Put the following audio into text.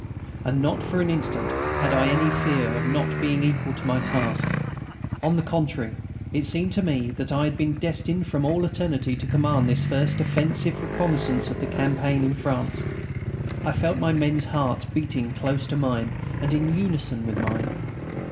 And not for an instant had I any fear of not being equal to my task. On the contrary, it seemed to me that I had been destined from all eternity to command this first offensive reconnaissance of the campaign in France.... I felt my men's hearts beating close to mine and in unison with mine.